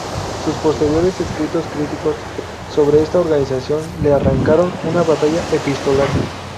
Sus posteriores escritos críticos sobre esta organización le acarrearon una batalla epistolar.